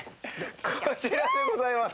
こちらでございます。